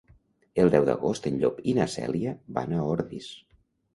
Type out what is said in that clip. El deu d'agost en Llop i na Cèlia van a Ordis.